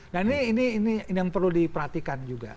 nah ini yang perlu diperhatikan juga